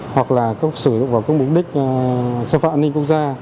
hoặc là sử dụng vào mục đích xâm phạm an ninh quốc gia